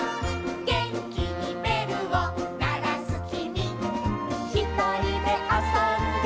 「げんきにべるをならすきみ」「ひとりであそんでいたぼくは」